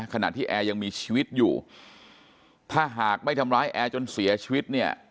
ขณะที่แอร์ยังมีชีวิตอยู่ถ้าหากไม่ทำร้ายแอร์จนเสียชีวิตเนี่ย